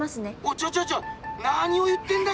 ちょちょちょなにを言ってんだよ！